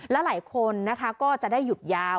และหลายคนนะคะก็จะได้หยุดยาว